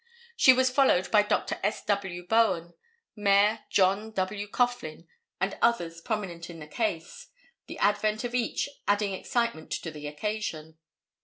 She was followed by Dr. S. W. Bowen, Mayor John W. Coughlin and others prominent in the case, the advent of each adding excitement to the occasion.